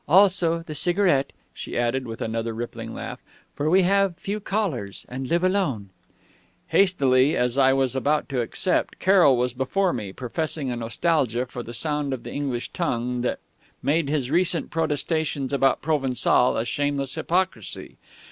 also the cigarette,' she added, with another rippling laugh, 'for we have few callers, and live alone ' "Hastily as I was about to accept, Carroll was before me, professing a nostalgia for the sound of the English tongue that made his recent protestations about Provençal a shameless hypocrisy.